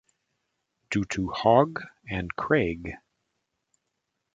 Due to Hogg and Craig.